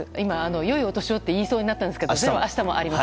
よいお年をと言いそうになったんですけど明日もあります。